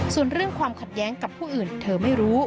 ส่วนเรื่องความขัดแย้งกับผู้อื่นเธอไม่รู้